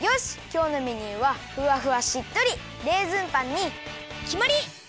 きょうのメニューはふわふわしっとりレーズンパンにきまり！